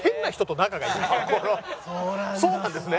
そうなんですね。